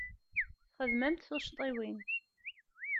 Txedmemt tuccḍiwin.